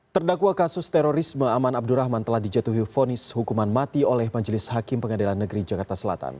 terdakwa kasus terorisme aman abdurrahman telah dijatuhi vonis hukuman mati oleh majelis hakim pengadilan negeri jakarta selatan